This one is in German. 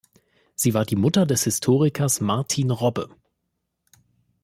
Sie war die Mutter des Historikers Martin Robbe.